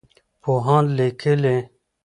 پوهان لیکي.